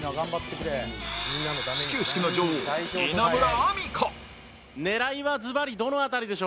始球式の女王稲村亜美か？